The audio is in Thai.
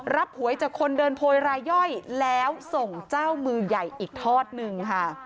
หวยจากคนเดินโพยรายย่อยแล้วส่งเจ้ามือใหญ่อีกทอดหนึ่งค่ะ